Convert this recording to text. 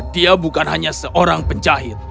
dia bukan hanya seorang penjahit